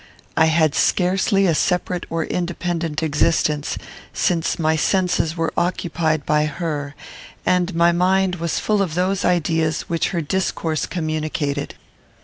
I had scarcely a separate or independent existence, since my senses were occupied by her, and my mind was full of those ideas which her discourse communicated.